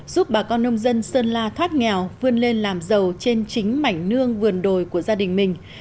giúp bà con nông dân sơn la thoát nghèo vươn lên làm giàu trên chính mảnh nương vườn đồi của gia đình mình